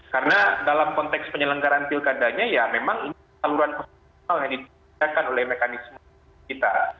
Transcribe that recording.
karena dalam konteks penyelenggaraan pilkadanya ya memang ini saluran personal yang ditunjukkan oleh mekanisme kita